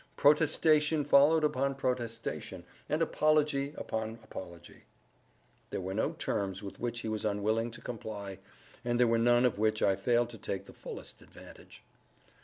Protestation followed upon protestation, and apology upon apology. There were no terms with which he was unwilling to comply, and there were none of which I failed to take the fullest advantage.